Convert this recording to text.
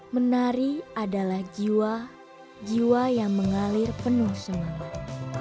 menari adalah jiwa jiwa yang mengalir penuh semangat